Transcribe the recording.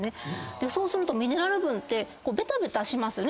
そうするとミネラル分ってべたべたしますね汗